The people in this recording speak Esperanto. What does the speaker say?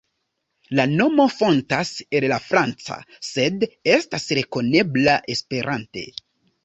La nomo fontas el la franca, sed estas rekonebla Esperante.